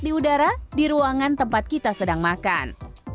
di udara di ruangan tempat kita sedang makan